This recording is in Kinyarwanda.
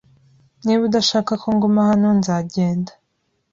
Niba udashaka ko nguma hano, nzagenda.